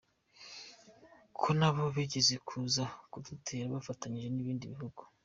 ko nabo bigeze kuza kudutera bafatanyije n’ibindi bihugu.